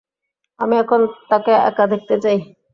আমি এখন তাকে একা দেখতে চাই।